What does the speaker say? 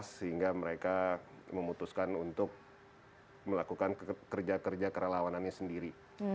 sehingga mereka memutuskan untuk melakukan kerja kerja kerelawanannya sendiri